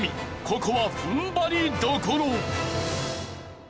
ここは踏ん張りどころ！